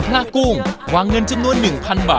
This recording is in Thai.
รวมคนหน่อยครับ